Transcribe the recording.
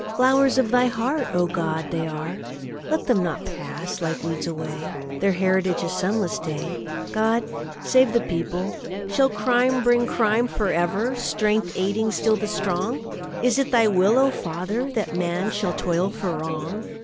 Flowers of Thy heart, O God, are they! Let them not pass, like weeds, away! Their heritage a sunless day! God save the people! Shall crime bring crime for ever, Strength aiding still the strong? Is it Thy will, O Father! That man shall toil for wrong?